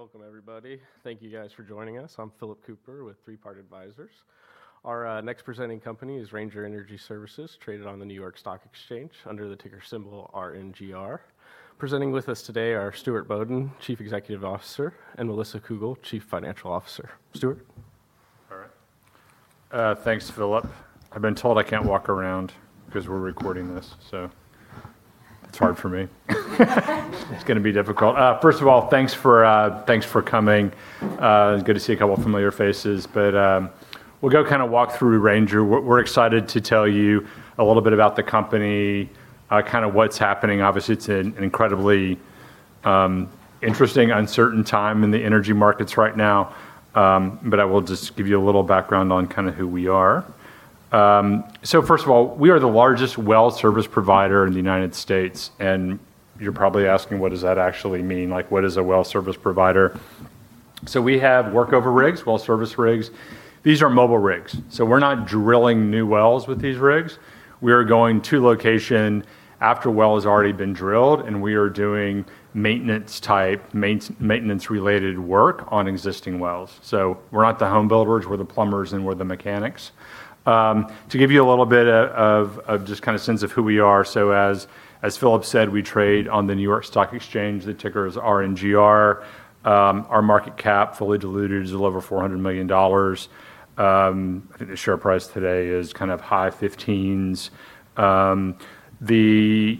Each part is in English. All right. Welcome, everybody. Thank you guys for joining us. I'm Phillip Kupper with Three Part Advisors. Our next presenting company is Ranger Energy Services, traded on the New York Stock Exchange under the ticker symbol RNGR. Presenting with us today are Stuart Bodden, Chief Executive Officer, and Melissa Cougle, Chief Financial Officer. Stuart? All right. Thanks, Phillip. I've been told I can't walk around because we're recording this, it's hard for me. It's going to be difficult. First of all, thanks for coming. It's good to see a couple of familiar faces. We'll go kind of walk through Ranger. We're excited to tell you a little bit about the company, kind of what's happening. Obviously, it's an incredibly interesting, uncertain time in the energy markets right now. I will just give you a little background on kind of who we are. First of all, we are the largest well service provider in the United States, and you're probably asking, what does that actually mean? What is a well service provider? We have work over rigs, well service rigs. These are mobile rigs. We're not drilling new wells with these rigs. We are going to location after a well has already been drilled, and we are doing maintenance-related work on existing wells. We're not the home builders, we're the plumbers and we're the mechanics. To give you a little bit of just kind of sense of who we are. As Phillip said, we trade on the New York Stock Exchange. The ticker is RNGR. Our market cap, fully diluted, is a little over $400 million. I think the share price today is kind of high 15s. The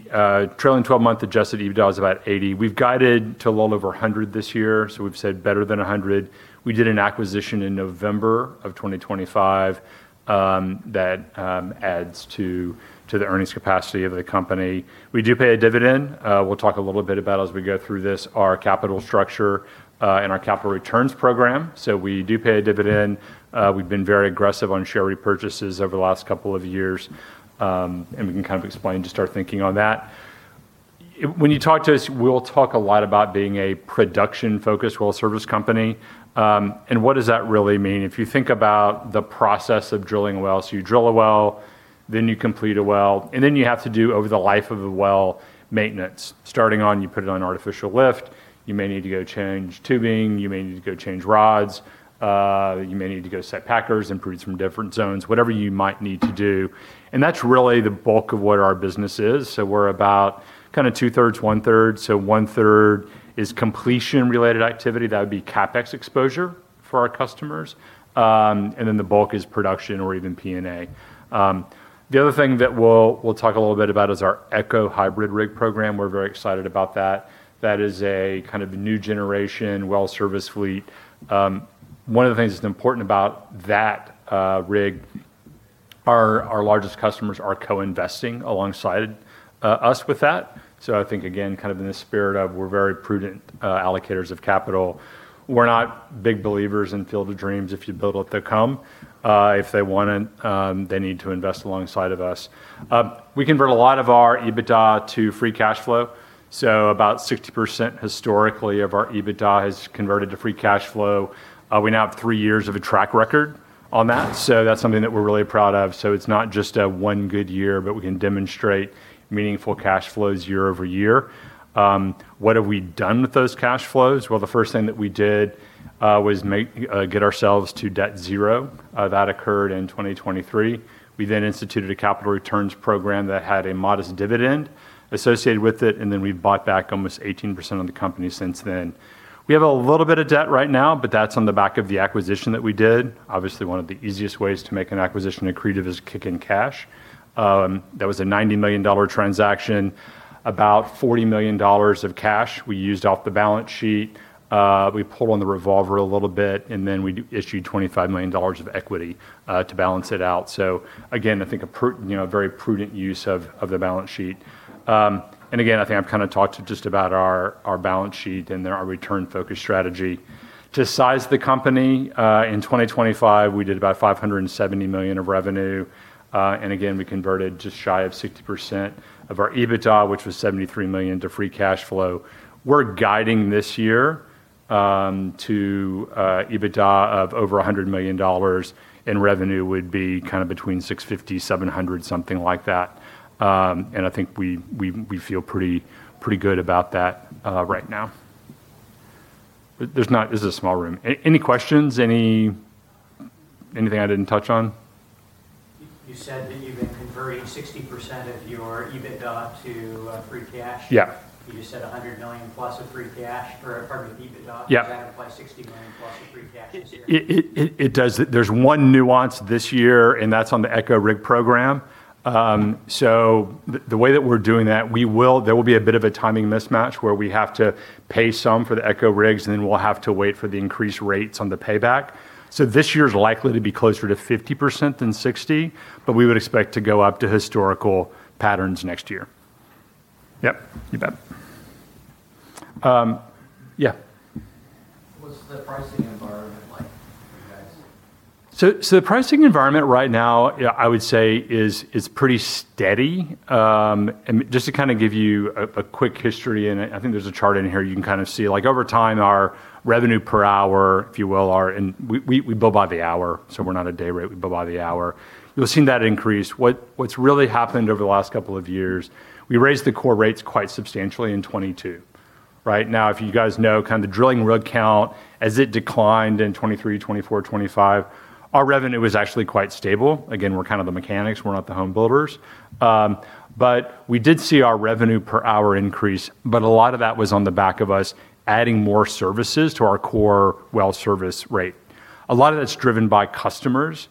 trailing 12-month adjusted EBITDA is about $80 million. We've guided to a little over $100 million this year, we've said better than $100 million. We did an acquisition in November of 2025, that adds to the earnings capacity of the company. We do pay a dividend. We'll talk a little bit about as we go through this, our capital structure, and our capital returns program. We do pay a dividend. We've been very aggressive on share repurchases over the last couple of years. We can kind of explain, to start thinking on that. When you talk to us, we'll talk a lot about being a production-focused well service company. What does that really mean? If you think about the process of drilling wells, you drill a well, you complete a well, and then you have to do, over the life of a well, maintenance. Starting on, you put it on artificial lift, you may need to go change tubing, you may need to go change rods. You may need to go set packers and produce from different zones, whatever you might need to do. That's really the bulk of what our business is. We're about kind of two-thirds, one-third. One-third is completion-related activity. That would be CapEx exposure for our customers. The bulk is production or even P&A. The other thing that we'll talk a little bit about is our ECHO hybrid rig program. We're very excited about that. That is a kind of new generation well service fleet. One of the things that's important about that rig, our largest customers are co-investing alongside us with that. I think, again, kind of in the spirit of we're very prudent allocators of capital. We're not big believers in field of dreams, if you build it, they come. If they want in, they need to invest alongside of us. We convert a lot of our EBITDA to free cash flow. About 60% historically of our EBITDA is converted to free cash flow. We now have three years of a track record on that's something that we're really proud of. It's not just one good year, but we can demonstrate meaningful cash flows year-over-year. What have we done with those cash flows? Well, the first thing that we did was get ourselves to debt zero. That occurred in 2023. We then instituted a capital returns program that had a modest dividend associated with it, we've bought back almost 18% of the company since then. We have a little bit of debt right now, but that's on the back of the acquisition that we did. Obviously, one of the easiest ways to make an acquisition accretive is kick in cash. That was a $90 million transaction. About $40 million of cash we used off the balance sheet. We pulled on the revolver a little bit, we issued $25 million of equity to balance it out. Again, I think a very prudent use of the balance sheet. Again, I think I've kind of talked just about our balance sheet and our return-focused strategy. To size the company, in 2025, we did about $570 million of revenue. Again, we converted just shy of 60% of our EBITDA, which was $73 million, to free cash flow. We're guiding this year to EBITDA of over $100 million, revenue would be kind of between $650 million-$700 million, something like that. I think we feel pretty good about that right now. This is a small room. Any questions? Anything I didn't touch on? You said that you've been converting 60% of your EBITDA to free cash? Yeah. You just said $100 million plus of free cash, or pardon me, EBITDA. Yeah. Does that imply $60 million plus of free cash this year? It does. There's one nuance this year, and that's on the ECHO rig program. The way that we're doing that, there will be a bit of a timing mismatch where we have to pay some for the ECHO rigs, then we'll have to wait for the increased rates on the payback. This year's likely to be closer to 50% than 60%, we would expect to go up to historical patterns next year. Yep, you bet. Yeah. The pricing environment right now, I would say is pretty steady. Just to kind of give you a quick history, and I think there's a chart in here you can kind of see. Over time, our revenue per hour, if you will, and we bill by the hour, so we're not a day rate, we bill by the hour. You'll have seen that increase. What's really happened over the last couple of years, we raised the core rates quite substantially in 2022. Right. If you guys know, kind of the drilling rig count as it declined in 2023, 2024, 2025, our revenue was actually quite stable. Again, we're kind of the mechanics, we're not the home builders. We did see our revenue per hour increase, but a lot of that was on the back of us adding more services to our core well service rate. A lot of that's driven by customers.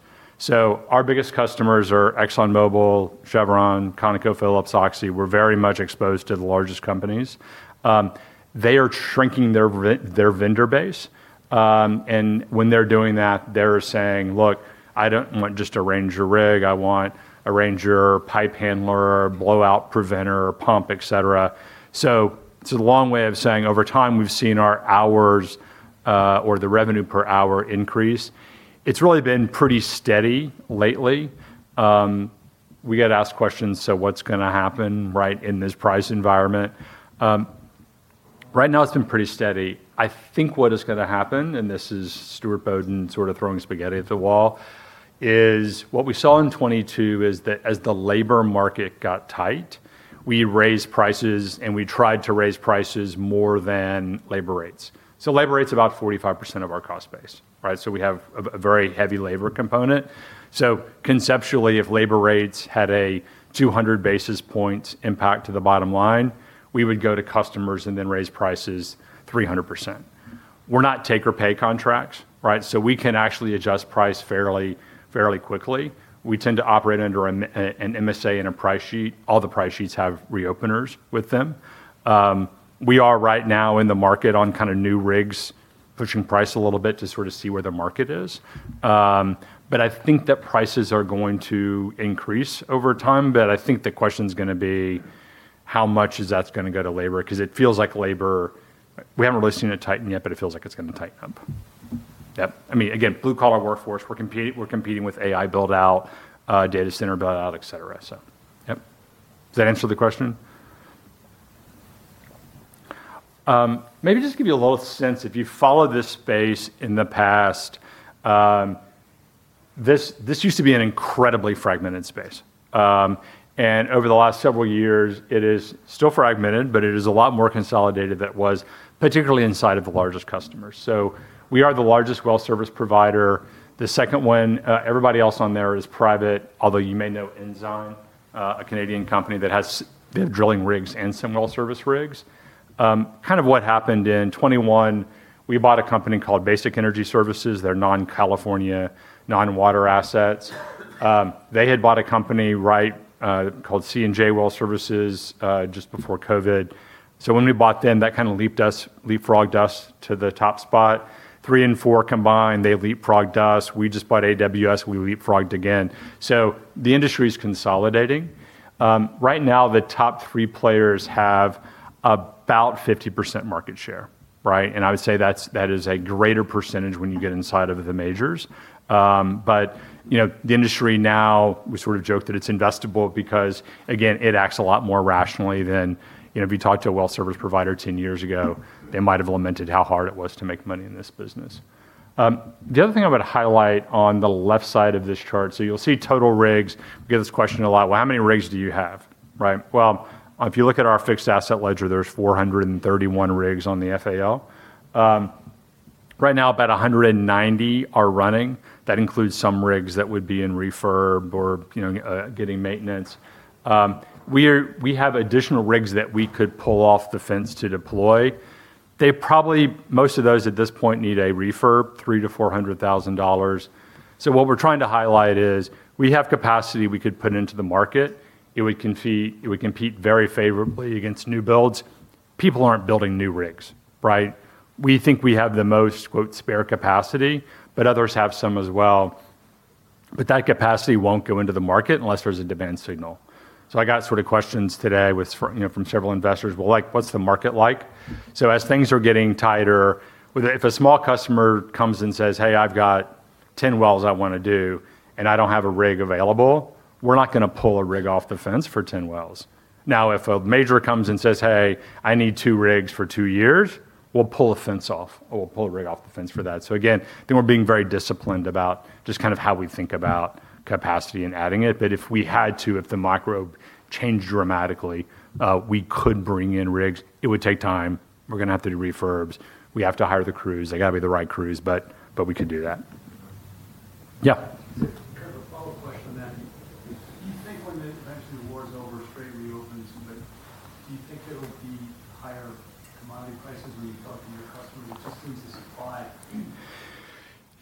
Our biggest customers are ExxonMobil, Chevron, ConocoPhillips, Oxy. We're very much exposed to the largest companies. They are shrinking their vendor base. When they're doing that, they're saying, look, I don't want just a Ranger rig, I want a Ranger pipe handler, blowout preventer, pump, et cetera. It's a long way of saying, over time, we've seen our hours, or the revenue per hour increase. It's really been pretty steady lately. We get asked questions, what's going to happen, right, in this price environment? Right now, it's been pretty steady. I think what is going to happen, and this is Stuart Bodden sort of throwing spaghetti at the wall, is what we saw in 2022 is that as the labor market got tight, we raised prices, and we tried to raise prices more than labor rates. Labor rate's about 45% of our cost base, right? We have a very heavy labor component. Conceptually, if labor rates had a 200 basis points impact to the bottom line, we would go to customers and then raise prices 300%. We're not take or pay contracts, right? We can actually adjust price fairly quickly. We tend to operate under an MSA and a price sheet. All the price sheets have reopeners with them. We are right now in the market on kind of new rigs, pushing price a little bit to sort of see where the market is. I think that prices are going to increase over time, but I think the question's going to be how much is that going to go to labor, because it feels like labor, we haven't really seen it tighten yet, but it feels like it's going to tighten up. Yep. Again, blue collar workforce, we're competing with AI build-out, data center build-out, et cetera. Yes. Does that answer the question? Maybe just to give you a little sense, if you've followed this space in the past, this used to be an incredibly fragmented space. Over the last several years, it is still fragmented, but it is a lot more consolidated than it was, particularly inside of the largest customers. We are the largest well service provider. The second one, everybody else on there is private, although you may know Ensign, a Canadian company that has drilling rigs and some well service rigs. What happened in 2021, we bought a company called Basic Energy Services. They're non-California, non-water assets. They had bought a company, right, called C&J Well Services, just before COVID. When we bought them, that kind of leapfrogged us to the top spot. Three and four combined, they leapfrogged us. We just bought AWS, we leapfrogged again. The industry's consolidating. Right now, the top three players have about 50% market share, right? I would say that is a greater percentage when you get inside of the majors. The industry now, we sort of joke that it's investable because, again, it acts a lot more rationally than if you talked to a well service provider 10 years ago, they might have lamented how hard it was to make money in this business. The other thing I would highlight on the left side of this chart, you'll see total rigs. We get this question a lot, "Well, how many rigs do you have?" Right? Well, if you look at our fixed asset ledger, there's 431 rigs on the FAL. Right now, about 190 are running. That includes some rigs that would be in refurb or getting maintenance. We have additional rigs that we could pull off the fence to deploy. Most of those at this point need a refurb, $300,000-$400,000. What we're trying to highlight is we have capacity we could put into the market. It would compete very favorably against new builds. People aren't building new rigs, right? We think we have the most, quote, spare capacity, but others have some as well. That capacity won't go into the market unless there's a demand signal. I got sort of questions today from several investors, well, what's the market like? As things are getting tighter, if a small customer comes and says, hey, I've got 10 wells I want to do, and I don't have a rig available, we're not going to pull a rig off the fence for 10 wells. Now, if a major comes and says, hey, I need two rigs for two years, we'll pull the fence off, or we'll pull a rig off the fence for that. Again, I think we're being very disciplined about just kind of how we think about capacity and adding it. If we had to, if the macro changed dramatically, we could bring in rigs. It would take time. We're going to have to do refurbs. We have to hire the crews. They got to be the right crews, but we could do that. Yeah.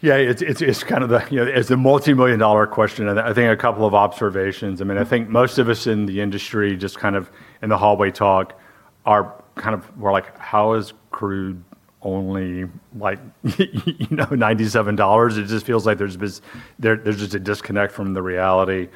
Kind of a follow-up question. Do you think when eventually the war's over, trade reopens, do you think there will be higher commodity prices when you talk to your customers? It just seems the supply. Yeah, it's the multimillion-dollar question. I think a couple of observations. I think most of us in the industry, just kind of in the hallway talk, are kind of more like, how is crude only like $97? It just feels like there's just a disconnect from the reality.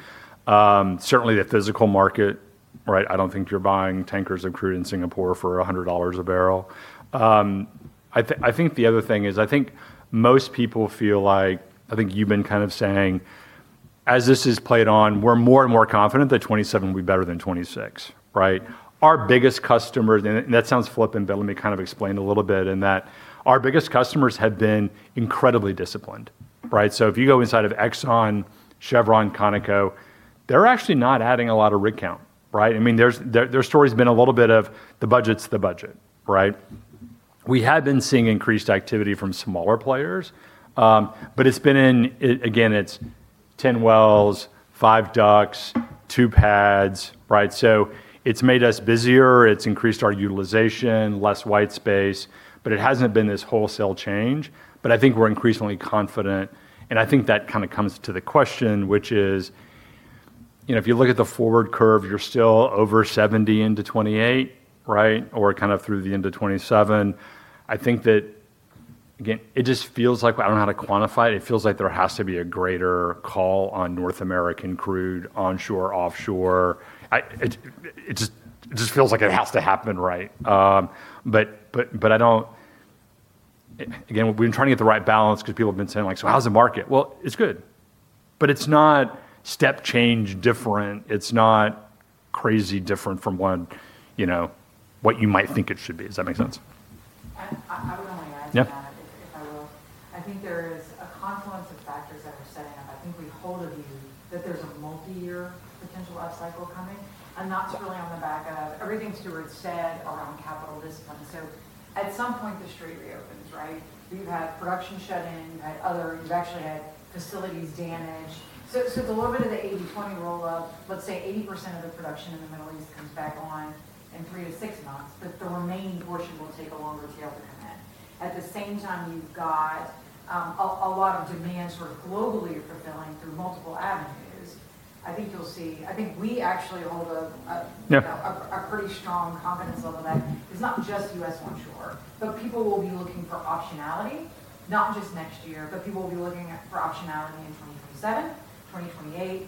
Certainly the physical market, right? I don't think you're buying tankers of crude in Singapore for $100 a barrel. I think the other thing is, I think most people feel like, I think you've been kind of saying, as this has played on, we're more and more confident that 2027 will be better than 2026. Right? Our biggest customers, that sounds flippant. Let me kind of explain a little bit in that our biggest customers have been incredibly disciplined. Right? If you go inside of Exxon, Chevron, Conoco, they're actually not adding a lot of rig count. Right? Their story's been a little bit of the budget's the budget. Right? We have been seeing increased activity from smaller players. It's been in, again, it's 10 wells, five DUCs, two pads. Right? It's made us busier, it's increased our utilization, less white space. It hasn't been this wholesale change. I think we're increasingly confident. I think that kind of comes to the question, which is, if you look at the forward curve, you're still over 70 into 2028. Right? Or kind of through the end of 2027. I think that, again, it just feels like, I don't know how to quantify it. It feels like there has to be a greater call on North American crude, onshore, offshore. It just feels like it has to happen, right? Again, we've been trying to get the right balance because people have been saying like, how's the market? Well, it's good. It's not step change different. It's not crazy different from what you might think it should be. Does that make sense? I would only add to that. Yeah. If I will. I think there is a confluence of factors that we're setting up. I think we hold a view that there's a multi-year potential up cycle coming. That's really on the back of everything Stuart said around capital discipline. At some point, the street reopens, right? You've had production shut-in, you've actually had facilities damage. It's a little bit of the 80/20 rule of, let's say 80% of the production in the Middle East comes back on in 3 to 6 months, but the remaining portion will take a longer tail to come in. At the same time, you've got a lot of demand sort of globally you're fulfilling through multiple avenues. I think we actually hold a. Yeah. A pretty strong confidence level that it's not just U.S. onshore, but people will be looking for optionality, not just next year, but people will be looking for optionality in 2027, 2028.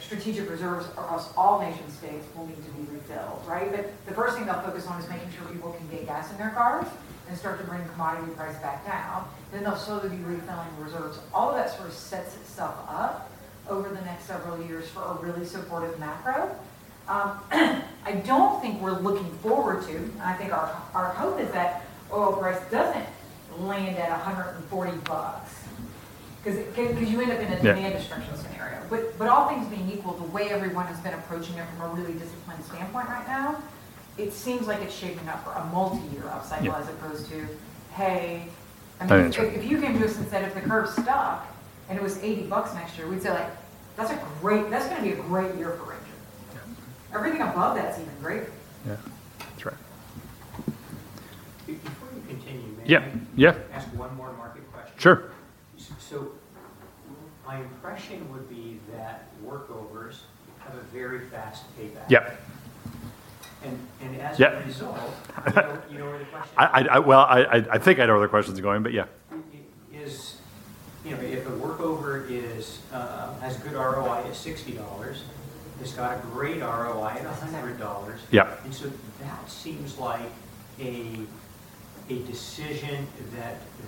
Strategic reserves across all nation states will need to be refilled, right? The first thing they'll focus on is making sure people can get gas in their cars and start to bring commodity price back down. They'll slowly be refilling reserves. All of that sort of sets itself up over the next several years for a really supportive macro. I don't think we're looking forward to, and I think our hope is that oil price doesn't land at $140 because you end up in a. Yeah. Demand destruction scenario. All things being equal, the way everyone has been approaching it from a really disciplined standpoint right now, it seems like it's shaping up for a multi-year up cycle. Yeah. As opposed to. That's right. If you came to us and said if the curve stuck and it was $80 next year, we'd say, that's going to be a great year for Ranger. Yeah. Everything above that's even greater. Yeah. That's right. Yeah. Sure. My impression would be that workovers have a very fast payback. Yep. Yep. Well, I think I know where the question is going, but yeah. If a workover has good ROI at $60, it's got a great ROI at $100. Yeah. That seems like a decision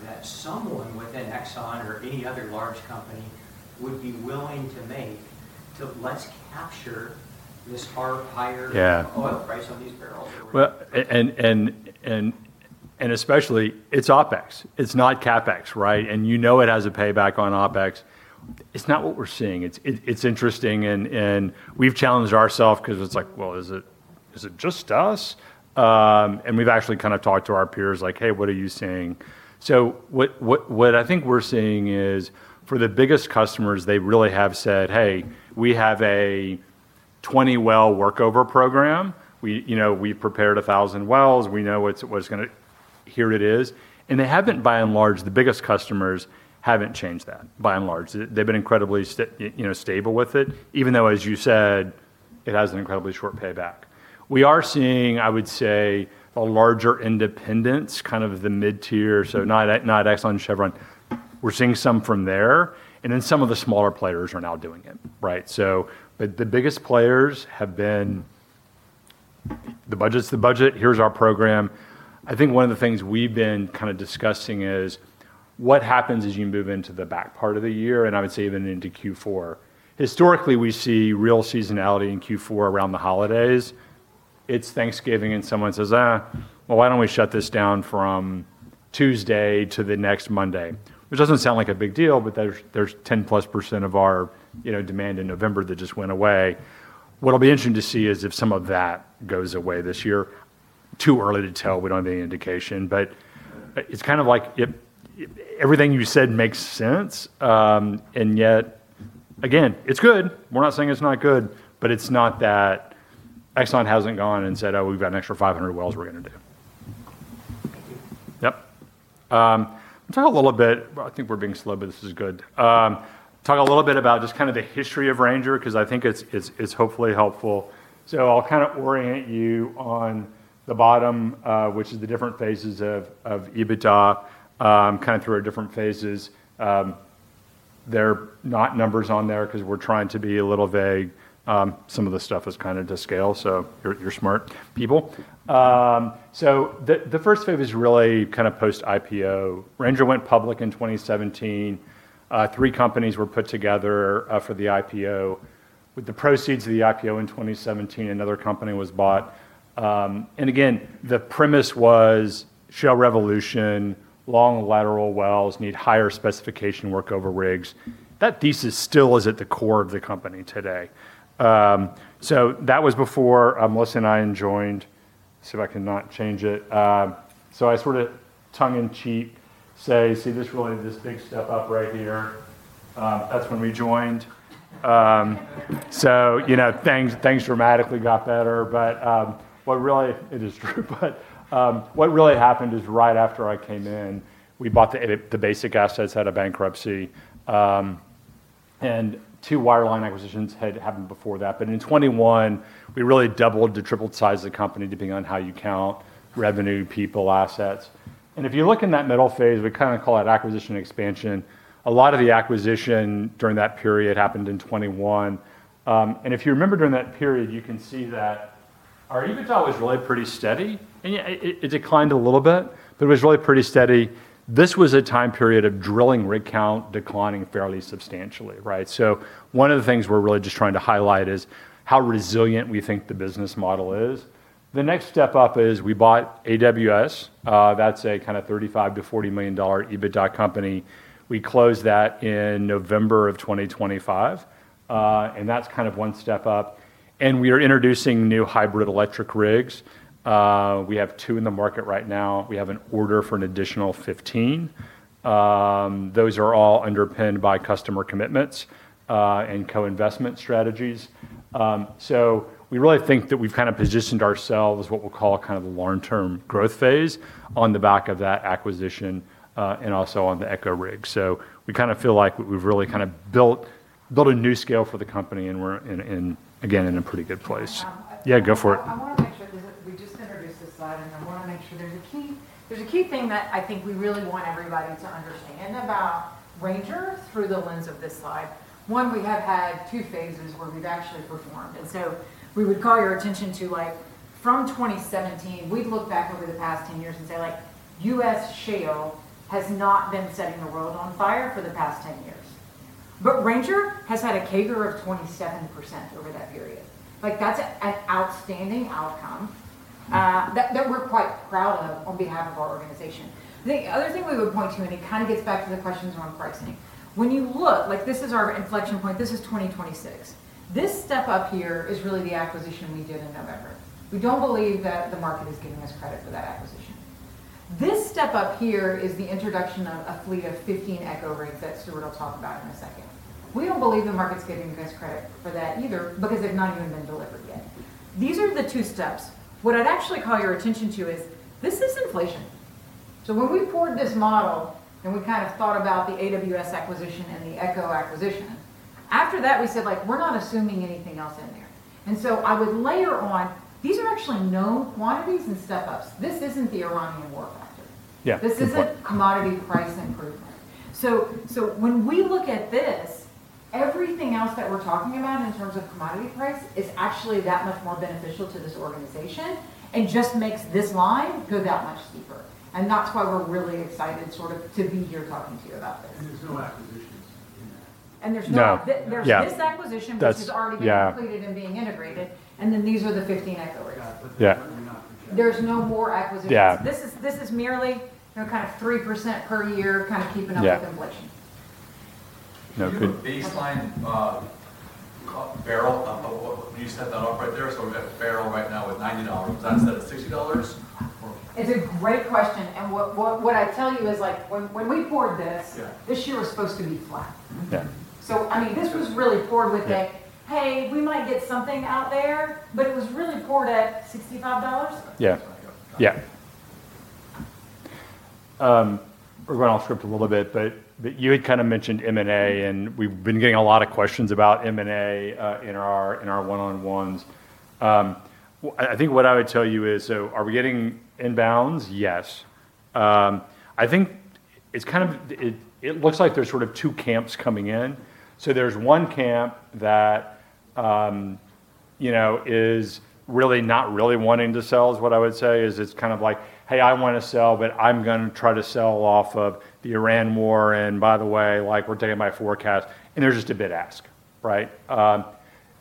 that someone within Exxon or any other large company would be willing to make to, let's capture this higher. Yeah. Oil price on these Especially, it's OpEx, it's not CapEx, right? You know it has a payback on OpEx. It's not what we're seeing. It's interesting, and we've challenged ourself because it's like, well, is it just us? We've actually kind of talked to our peers like, hey, what are you seeing? What I think we're seeing is for the biggest customers, they really have said, hey, we have a 20-well workover program. We've prepared 1,000 wells. Here it is. They haven't, by and large, the biggest customers haven't changed that, by and large. They've been incredibly stable with it, even though, as you said, it has an incredibly short payback. We are seeing, I would say, a larger independence, kind of the mid-tier. Not Exxon, Chevron. We're seeing some from there, and then some of the smaller players are now doing it. Right? The biggest players have been, the budget's the budget. Here's our program. I think one of the things we've been kind of discussing is what happens as you move into the back part of the year, and I would say even into Q4. Historically, we see real seasonality in Q4 around the holidays. It's Thanksgiving and someone says, well, why don't we shut this down from Tuesday to the next Monday? Which doesn't sound like a big deal, but there's 10%+ of our demand in November that just went away. What'll be interesting to see is if some of that goes away this year. Too early to tell. We don't have any indication. It's kind of like everything you said makes sense, and yet again, it's good. We're not saying it's not good, but it's not that Exxon hasn't gone and said, oh, we've got an extra 500 wells we're going to do. Yep. I think we're being slow, but this is good. Talk a little bit about just kind of the history of Ranger. I think it's hopefully helpful. I'll kind of orient you on the bottom, which is the different phases of EBITDA, kind of through our different phases. There are not numbers on there because we're trying to be a little vague. Some of the stuff is kind of to scale, so you're smart people. The first phase is really kind of post IPO. Ranger went public in 2017. Three companies were put together for the IPO. With the proceeds of the IPO in 2017, another company was bought. Again, the premise was shale revolution, long lateral wells need higher specification workover rigs. That thesis still is at the core of the company today. That was before Melissa and I joined. See if I can not change it. I sort of tongue in cheek say, see this really, this big step up right here, that's when we joined. Things dramatically got better. It is true, but what really happened is right after I came in, we bought the Basic assets out of bankruptcy. Two wireline acquisitions had happened before that. In 2021, we really doubled to tripled size of the company, depending on how you count revenue, people, assets. If you look in that middle phase, we kind of call it acquisition expansion. A lot of the acquisition during that period happened in 2021. If you remember during that period, you can see that our EBITDA was really pretty steady. It declined a little bit, but it was really pretty steady. This was a time period of drilling rig count declining fairly substantially, right? One of the things we're really just trying to highlight is how resilient we think the business model is. The next step up is we bought AWS. That's a kind of $35 million-$40 million EBITDA company. We closed that in November 2025. That's kind of one step up. We are introducing new hybrid electric rigs. We have two in the market right now. We have an order for an additional 15. Those are all underpinned by customer commitments, and co-investment strategies. We really think that we've kind of positioned ourselves, what we'll call kind of the long-term growth phase on the back of that acquisition, and also on the ECHO rig. We kind of feel like we've really kind of built a new scale for the company, and we're in, again, in a pretty good place. Yeah, go for it. I want to make sure because we just introduced this slide, I want to make sure there's a key thing that I think we really want everybody to understand about Ranger through the lens of this slide. One, we have had two phases where we've actually performed, we would call your attention to from 2017, we've looked back over the past 10 years and say, U.S. shale has not been setting the world on fire for the past 10 years. Ranger has had a CAGR of 27% over that period. That's an outstanding outcome that we're quite proud of on behalf of our organization. The other thing we would point to, and it kind of gets back to the questions around pricing. When you look, this is our inflection point. This is 2026. This step up here is really the acquisition we did in November. We don't believe that the market is giving us credit for that acquisition. This step up here is the introduction of a fleet of 15 ECHO rigs that Stuart will talk about in a second. We don't believe the market's giving us credit for that either because they've not even been delivered yet. These are the two steps. What I'd actually call your attention to is this is inflation. When we forward this model and we kind of thought about the AWS acquisition and the ECHO acquisition, after that we said we're not assuming anything else in there. I would layer on these are actually known quantities and step-ups. This isn't the Iranian war factor. Yeah. Good point. This isn't commodity price improvement. When we look at this, everything else that we're talking about in terms of commodity price is actually that much more beneficial to this organization and just makes this line go that much steeper. That's why we're really excited sort of to be here talking to you about this. There's no acquisitions in that. There's not. No. Yeah. There's this acquisition. That's, yeah. hich has already been completed and being integrated, and then these are the 15 ECHO rigs. Yeah. There's no more acquisitions. Yeah. This is merely kind of 3% per year kind of keeping up. Yeah. With inflation. No, good. If you have a baseline barrel, you set that up right there. We have a barrel right now at $90. Is that instead of $60, or? It's a great question, what I tell you is when we forward. Yeah. This year was supposed to be flat. Yeah. I mean, this was really forwarded with a, hey, we might get something out there, but it was really forwarded at $65. Yeah. Yeah. We're going off script a little bit, you had kind of mentioned M&A, we've been getting a lot of questions about M&A in our one-on-ones. I think what I would tell you is, are we getting inbounds? Yes. I think it looks like there's sort of two camps coming in. There's one camp that is really not really wanting to sell is what I would say is it's kind of like, hey, I want to sell, but I'm going to try to sell off of the Iran war. By the way, like we're taking my forecast, and they're just a bit ask, right?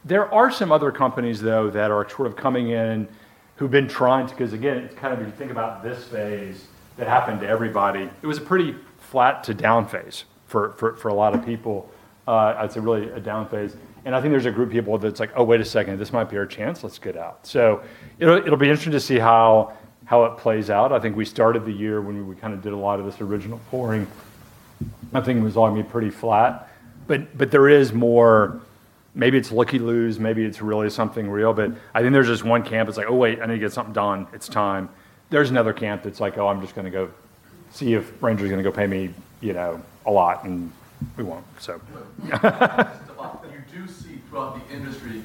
There are some other companies though that are sort of coming in who've been trying to, because again, it's kind of you think about this phase that happened to everybody. It was a pretty flat to down phase for a lot of people. It's really a down phase. I think there's a group of people that's like, oh, wait a second, this might be our chance. Let's get out. It'll be interesting to see how it plays out. I think we started the year when we kind of did a lot of this original polling. I think it was going to be pretty flat, but there is more, maybe it's lookie-loos, maybe it's really something real, but I think there's just one camp that's like, oh, wait, I need to get something done. It's time. There's another camp that's like, oh, I'm just going to go see if Ranger's going to go pay me a lot, and we won't. You do see throughout the industry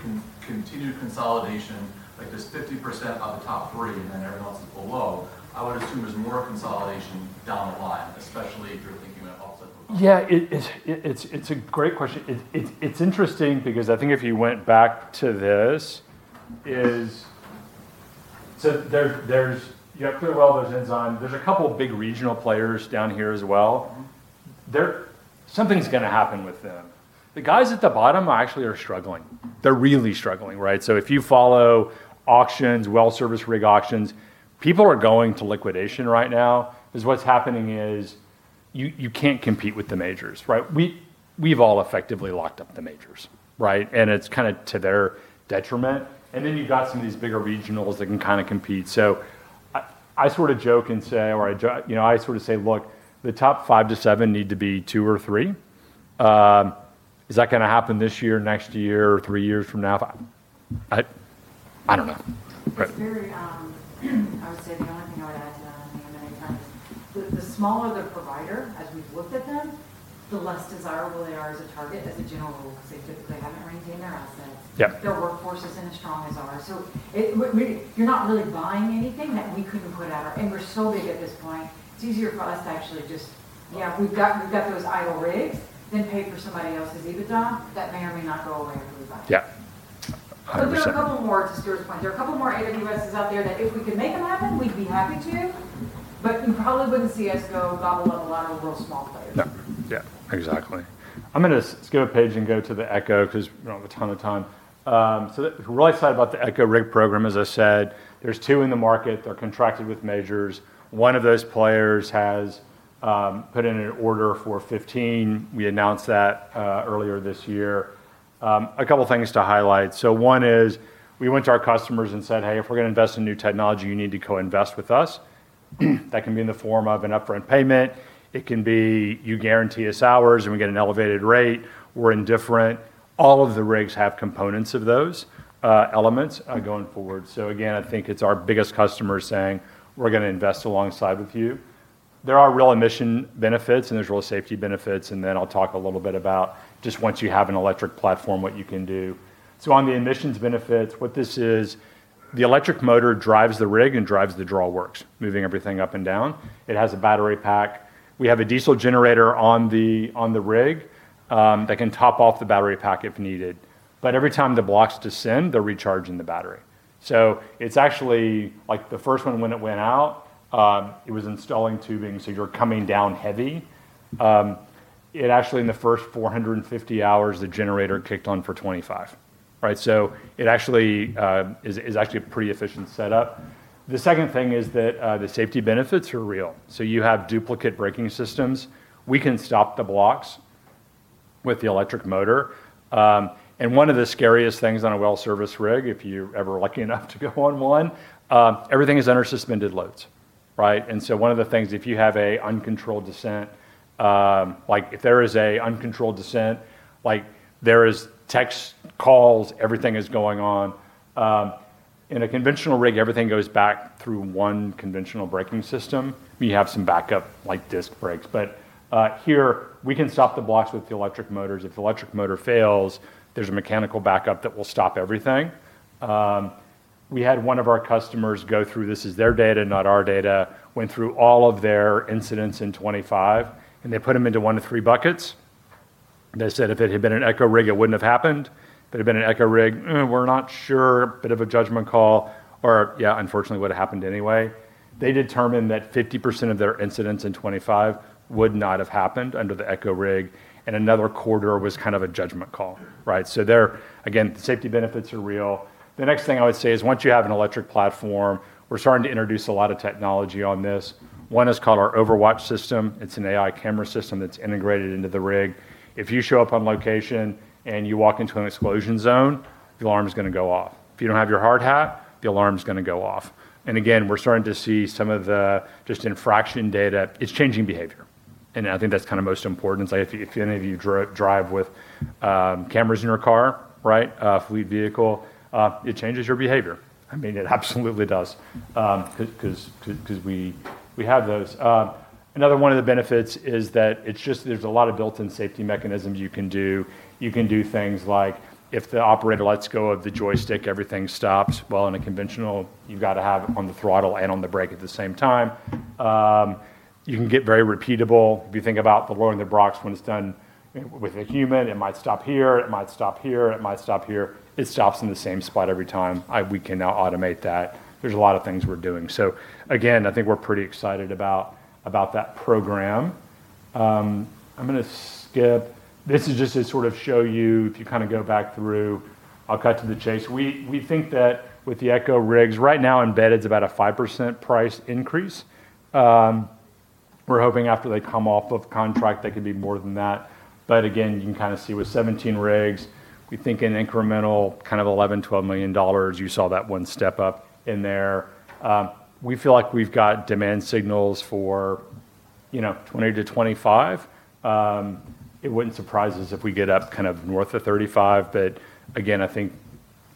continued consolidation, like there's 50% of the top three, and then everyone else is below. I would assume there's more consolidation down the line. Yeah. It's a great question. It's interesting because I think if you went back to this, you have ClearWELL, there's Ensign, there's a couple big regional players down here as well. Something's going to happen with them. The guys at the bottom actually are struggling. They're really struggling. If you follow well service rig auctions, people are going to liquidation right now because what's happening is you can't compete with the majors. We've all effectively locked up the majors. It's to their detriment. You've got some of these bigger regionals that can compete. I say, look, the top five to seven need to be two or three. Is that going to happen this year, next year, or three years from now? I don't know. the smaller the provider, as we've looked at them, the less desirable they are as a target as a general rule, because they typically haven't maintained their assets. Yeah. Their workforce isn't as strong as ours. You're not really buying anything that we couldn't put out, and we're so big at this point, it's easier for us to actually just, we've got those idle rigs than pay for somebody else's EBITDA that may or may not go away if we buy them. Yeah. 100%. There are a couple more, to Stuart's point, there are a couple more AWS's out there that if we could make them happen, we'd be happy to, but you probably wouldn't see us go small players. Yeah, exactly. I'm going to skip a page and go to the ECHO because we don't have a ton of time. We're really excited about the ECHO rig program. As I said, there's two in the market. They're contracted with majors. One of those players has put in an order for 15. We announced that earlier this year. A couple things to highlight. One is we went to our customers and said, hey, if we're going to invest in new technology, you need to co-invest with us. That can be in the form of an upfront payment. It can be you guarantee us hours, and we get an elevated rate. We're indifferent. All of the rigs have components of those elements going forward. Again, I think it's our biggest customers saying, we're going to invest alongside with you. There are real emission benefits, there's real safety benefits, then I'll talk a little bit about just once you have an electric platform, what you can do. On the emissions benefits, what this is, the electric motor drives the rig and drives the drawworks, moving everything up and down. It has a battery pack. We have a diesel generator on the rig that can top off the battery pack if needed. Every time the blocks descend, they're recharging the battery. It's actually the first one when it went out, it was installing tubing, so you're coming down heavy. It actually in the first 450 hours, the generator kicked on for 25. It actually is a pretty efficient setup. The second thing is that the safety benefits are real. You have duplicate braking systems. We can stop the blocks with the electric motor. One of the scariest things on a well service rig, if you're ever lucky enough to go on one, everything is under suspended loads. One of the things, if you have an uncontrolled descent, like if there is an uncontrolled descent, there is text, calls, everything is going on. In a conventional rig, everything goes back through one conventional braking system. We have some backup like disc brakes. Here we can stop the blocks with the electric motors. If the electric motor fails, there's a mechanical backup that will stop everything. We had one of our customers go through, this is their data, not our data, went through all of their incidents in 2025, and they put them into one of three buckets. They said if it had been an ECHO rig, it wouldn't have happened. If it had been an ECHO rig, we're not sure, bit of a judgment call, or yeah, unfortunately it would have happened anyway. They determined that 50% of their incidents in 2025 would not have happened under the ECHO rig, and another quarter was kind of a judgment call. There again, the safety benefits are real. The next thing I would say is once you have an electric platform, we're starting to introduce a lot of technology on this. One is called our Overwatch system. It's an AI camera system that's integrated into the rig. If you show up on location and you walk into an explosion zone, the alarm's going to go off. If you don't have your hard hat, the alarm's going to go off. Again, we're starting to see some of the just infraction data. It's changing behavior, and I think that's kind of most important. If any of you drive with cameras in your car, fleet vehicle, it changes your behavior. I mean, it absolutely does because we have those. Another one of the benefits is that it's just there's a lot of built-in safety mechanisms you can do. You can do things like if the operator lets go of the joystick, everything stops, while in a conventional, you've got to have on the throttle and on the brake at the same time. You can get very repeatable. If you think about the lowering the blocks, when it's done with a human, it might stop here, it might stop here, it might stop here. It stops in the same spot every time. We can now automate that. There's a lot of things we're doing. Again, I think we're pretty excited about that program. I'm going to skip. This is just to sort of show you, if you go back through. I'll cut to the chase. We think that with the ECHO rigs right now embedded's about a 5% price increase. We're hoping after they come off of contract they could be more than that. Again, you can kind of see with 17 rigs, we think an incremental kind of $11 million, $12 million. You saw that one step up in there. We feel like we've got demand signals for 20 to 25. It wouldn't surprise us if we get up kind of north of 35, again, I think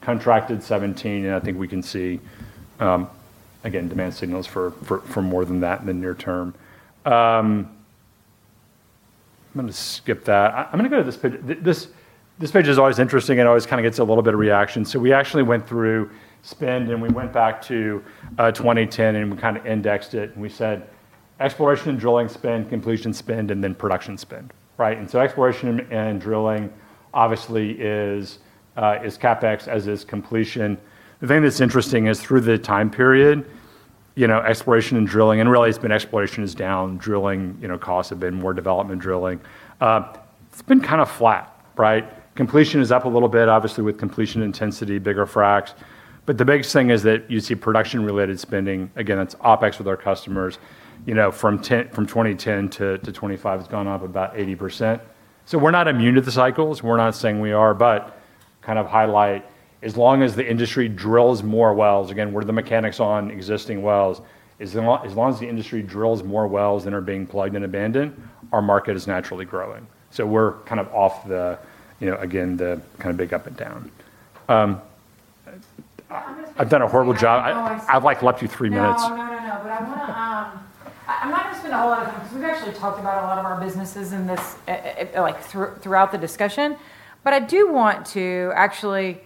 contracted 17, and I think we can see, again, demand signals for more than that in the near term. I'm going to skip that. I'm going to go to this page. This page is always interesting and always kind of gets a little bit of reaction. We actually went through spend, and we went back to 2010 and we kind of indexed it, and we said exploration and drilling spend, completion spend, and then production spend. Right? Exploration and drilling obviously is CapEx, as is completion. The thing that's interesting is through the time period, exploration and drilling, and really it's been exploration is down. Drilling costs have been more development drilling. It's been kind of flat, right? Completion is up a little bit, obviously with completion intensity, bigger fracs. The biggest thing is that you see production-related spending. Again, that's OpEx with our customers. From 2010 to 2025, it's gone up about 80%. We're not immune to the cycles. We're not saying we are, kind of highlight as long as the industry drills more wells, again, we're the mechanics on existing wells. As long as the industry drills more wells than are being plugged and abandoned, our market is naturally growing. We're kind of off the big up and down. I've done a horrible job. I've left you three minutes. No. I'm not going to spend a whole lot of time because we've actually talked about a lot of our businesses in this throughout the discussion. I do want to actually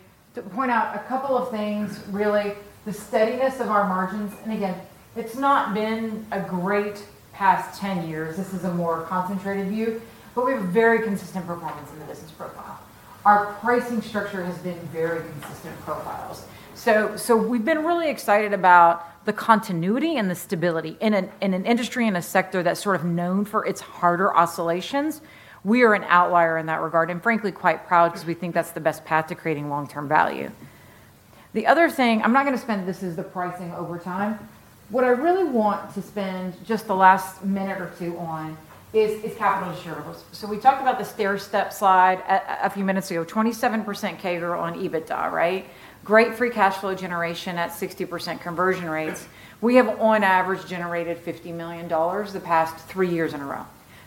point out a couple of things, really the steadiness of our margins, and again, it's not been a great past 10 years. This is a more concentrated view, but we have very consistent performance in the business profile. Our pricing structure has been very consistent profiles. We've been really excited about the continuity and the stability in an industry and a sector that's sort of known for its harder oscillations. We are an outlier in that regard, and frankly, quite proud because we think that's the best path to creating long-term value. The other thing, this is the pricing over time. What I really want to spend just the last minute or two on is capital return. We talked about the stair step slide a few minutes ago. 27% CAGR on EBITDA, right? Great free cash flow generation at 60% conversion rates. We have on average generated $50 million the past three years in a row.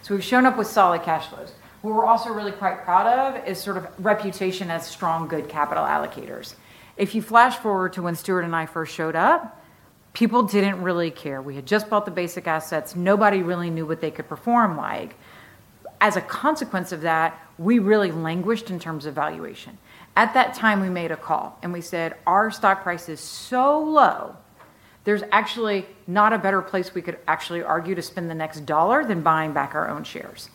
We've shown up with solid cash flows. What we're also really quite proud of is sort of reputation as strong, good capital allocators. If you flash forward to when Stuart and I first showed up, people didn't really care. We had just bought the Basic assets. Nobody really knew what they could perform like. As a consequence of that, we really languished in terms of valuation. At that time, we made a call, we said our stock price is so low, there's actually not a better place we could actually argue to spend the next dollar than buying back our own shares.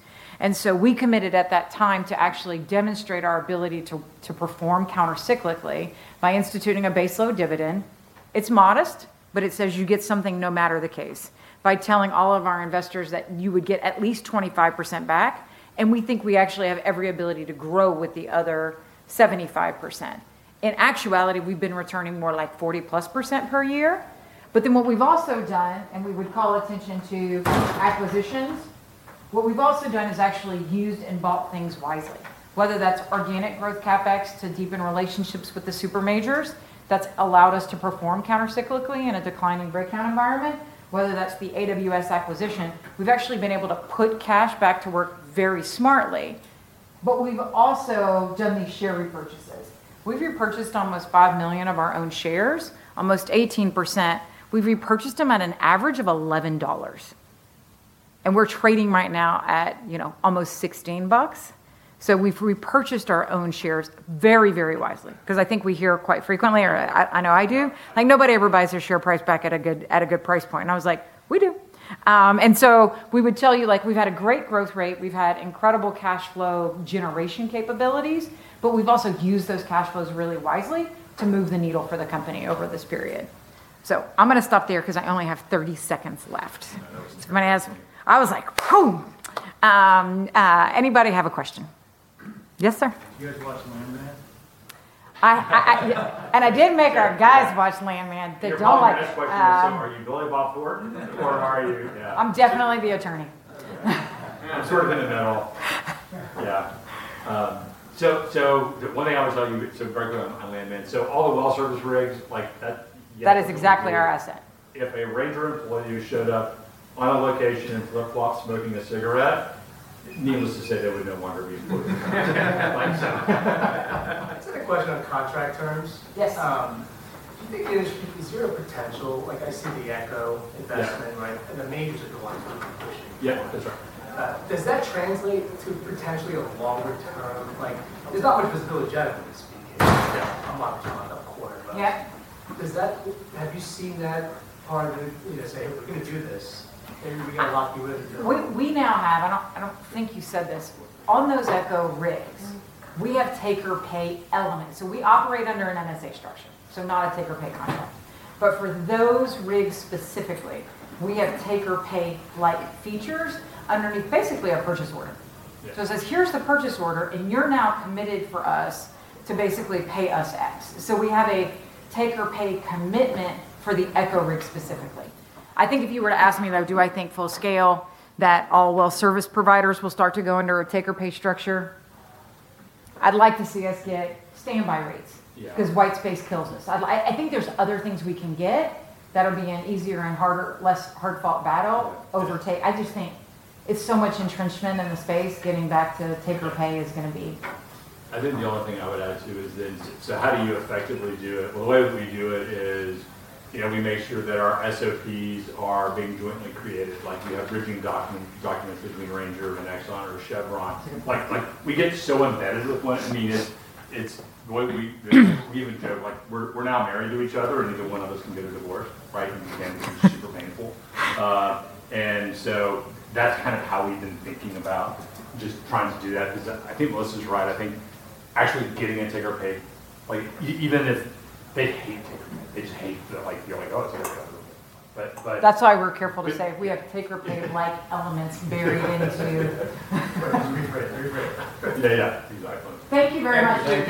We committed at that time to actually demonstrate our ability to perform countercyclically by instituting a baseload dividend. It's modest, but it says you get something no matter the case. By telling all of our investors that you would get at least 25% back, we think we actually have every ability to grow with the other 75%. In actuality, we've been returning more like 40%+ per year. What we've also done, and we would call attention to acquisitions, what we've also done is actually used and bought things wisely. Whether that's organic growth CapEx to deepen relationships with the super majors, that's allowed us to perform countercyclically in a declining breakout environment. Whether that's the AWS acquisition, we've actually been able to put cash back to work very smartly. We've also done these share repurchases. We've repurchased almost 5 million of our own shares, almost 18%. We've repurchased them at an average of $11. We're trading right now at almost $16. We've repurchased our own shares very wisely, because I think we hear quite frequently, or I know I do. Nobody ever buys their share price back at a good price point. I was like, we do. We would tell you, we've had a great growth rate. We've had incredible cash flow generation capabilities, but we've also used those cash flows really wisely to move the needle for the company over this period. I'm going to stop there because I only have 30 seconds left. I'm going to ask. I was like, phew. Anybody have a question? Yes, sir. I did make our guys watch Landman. They don't like. Your follow-up question is going to be, so are you Billy Bob Thornton or are you I'm definitely the attorney. I'm sort of in the middle. Yeah. One thing I would tell you, very quick on Landman. All the well service rigs, like that. That is exactly our asset. If a Ranger employee showed up on a location flip-flop smoking a cigarette, needless to say, they would no longer be employed with us. I just had a question on contract terms. Yes. Do you think, is there a potential, like I see the ECHO investment, right? Yeah. The majors are the ones who are pushing. Yeah, that's right. Does that translate to potentially a longer term? There's not much visibility generally Yeah. Yeah. Have you seen that part of say, We now have, I don't think you said this. On those ECHO rigs, we have take or pay elements, so we operate under an MSA structure, so not a take or pay contract. For those rigs specifically, we have take or pay like features underneath basically a purchase order. Yeah. It says, here's the purchase order, and you're now committed for us to basically pay us X. We have a take or pay commitment for the ECHO rig specifically. I think if you were to ask me about do I think full scale that all well service providers will start to go under a take or pay structure, I'd like to see us get standby rates. Yeah. White space kills us. I think there's other things we can get that'll be an easier and less hard-fought battle. Overtake. I just think it's so much entrenchment in the space, getting back to take or pay is going to be. How do you effectively do it? Well, the way we do it is we make sure that our SOPs are being jointly created. Like we have bridging documents between Ranger and Exxon or Chevron. We get so embedded with one. We even joke we're now married to each other, and neither one of us can get a divorce, right? It's going to be super painful. That's kind of how we've been thinking about just trying to do that because I think Melissa's right. I think actually getting a take or pay, even if they hate take or pay, they just hate feeling like, oh, it's. That's why we're careful to say we have take or pay like elements buried into. Yeah. Exactly. Thank you very much.